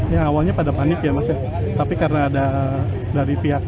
ya awalnya pada panik ya mas ya tapi karena ada dari pihak